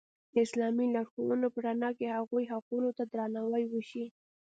د اسلامي لارښوونو په رڼا کې هغوی حقونو ته درناوی وشي.